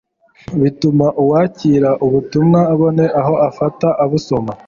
bituma uwakira ubutumwa abone aho afata abusoma